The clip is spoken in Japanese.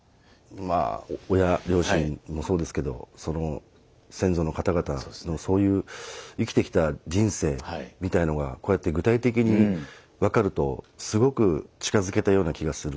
まあ親両親もそうですけどその先祖の方々のそういう生きてきた人生みたいのがこうやって具体的に分かるとすごく近づけたような気がするんで。